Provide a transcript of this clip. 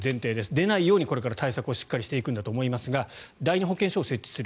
出ないようにこれから対策をしっかりしていくんだと思いますが第２保健所を設置する。